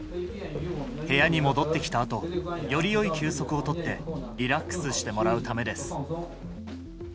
部屋に戻ってきたあと、よりよい休息を取って、リラックスしてもらうためです。